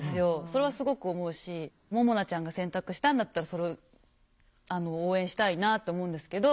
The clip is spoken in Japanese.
それはすごく思うしももなちゃんが選択したんだったらそれを応援したいなと思うんですけど。